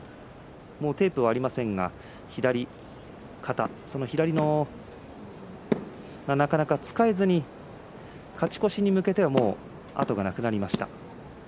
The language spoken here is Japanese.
もうテープはありませんが左肩なかなか左をなかなか使えず勝ち越しに向けてはもう後がなくなりました。